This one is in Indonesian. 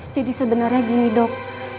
jadi sebenarnya gini dok